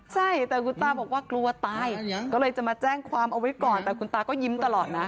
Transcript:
ใช่แต่คุณตาบอกว่ากลัวตายก็เลยจะมาแจ้งความเอาไว้ก่อนแต่คุณตาก็ยิ้มตลอดนะ